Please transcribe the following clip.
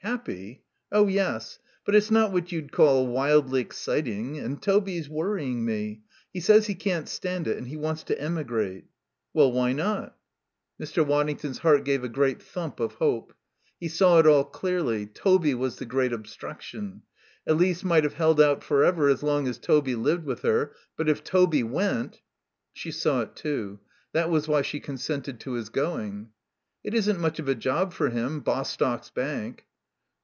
"Happy? Oh, yes. But it's not what you'd call wildly exciting. And Toby's worrying me. He says he can't stand it, and he wants to emigrate." "Well, why not?" Mr. Waddington's heart gave a great thump of hope. He saw it all clearly. Toby was the great obstruction. Elise might have held out for ever as long as Toby lived with her. But if Toby went She saw it too; that was why she consented to his going. "It isn't much of a job for him, Bostock's Bank."